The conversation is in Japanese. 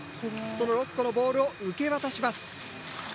その６個のボールを受け渡します。